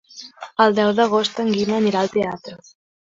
El deu d'agost en Guim anirà al teatre.